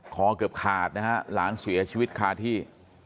เกือบขาดนะฮะหลานเสียชีวิตคาที่